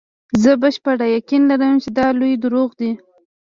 زه بشپړ یقین لرم چې دا لوی دروغ دي.